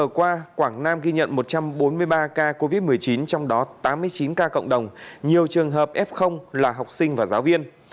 qua quảng nam ghi nhận một trăm bốn mươi ba ca covid một mươi chín trong đó tám mươi chín ca cộng đồng nhiều trường hợp f là học sinh và giáo viên